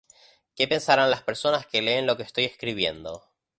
¿qué pensarán las personas que leen lo que estoy escribiendo?